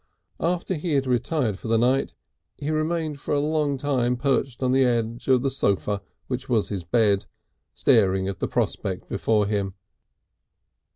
After he had retired for the night he remained for a long time perched on the edge of the sofa which was his bed, staring at the prospect before him.